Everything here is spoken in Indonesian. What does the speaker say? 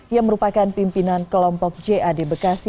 yang merupakan pimpinan kelompok jad bekasi